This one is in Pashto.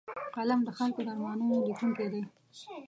قلم د خلکو د ارمانونو لیکونکی دی